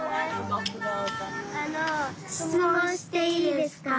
あのしつもんしていいですか？